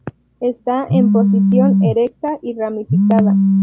Está en posición erecta y ramificada.